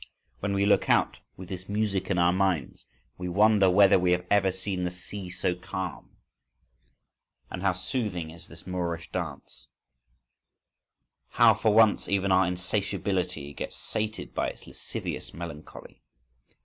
When we look out, with this music in our minds, we wonder whether we have ever seen the sea so calm. And how soothing is this Moorish dancing! How, for once, even our insatiability gets sated by its lascivious melancholy!